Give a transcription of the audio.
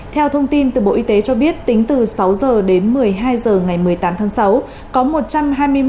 theo thông tin từ bộ y tế cho biết tính từ sáu h đến một mươi hai h ngày một mươi tám tháng sáu có một trăm hai mươi một ca mắc mới